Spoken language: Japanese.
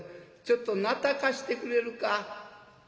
ちょっとなた貸してくれるか」。